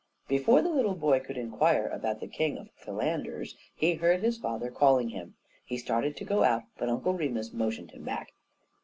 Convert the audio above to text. Before the little boy could inquire about the King of Philanders he heard his father calling him. He started to go out, but Uncle Remus motioned him back.